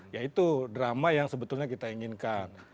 ya itu drama yang sebetulnya kita inginkan